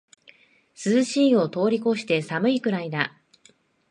涼しいを通りこして寒いくらいだ